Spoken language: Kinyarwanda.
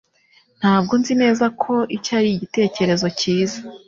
Ntabwo nzi neza ko icyo ari igitekerezo cyiza